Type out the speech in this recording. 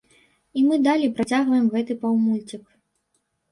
І мы далей працягваем гэты паўмульцік.